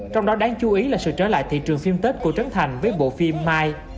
trong đó đáng chú ý là sự trở lại thị trường phim tết của trấn thành với bộ phim mai